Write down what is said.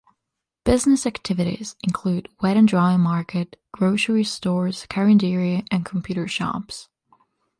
Business activities include wet and dry market, grocery stores, carinderia and computer shops.